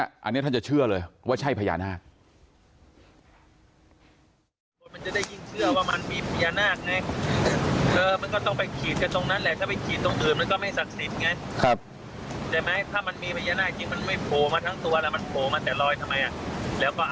อันนี้ท่านจะเชื่อเลยว่าใช่พญานาค